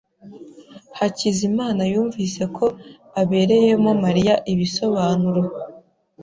Hakizimana yumvise ko abereyemo Mariya ibisobanuro.